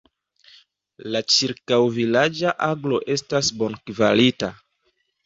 La ĉirkaŭ-vilaĝa agro estas bonkvalita.